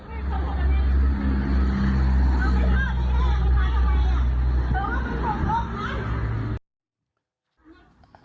เธอว่ามันหกลบไหม